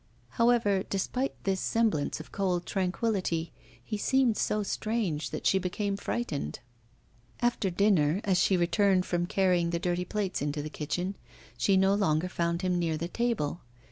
However, despite this semblance of cold tranquillity, he seemed so strange that she became frightened. After dinner, as she returned from carrying the dirty plates into the kitchen, she no longer found him near the table.